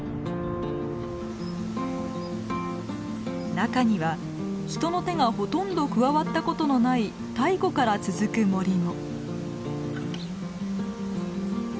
中には人の手がほとんど加わったことのない太古から続く森も。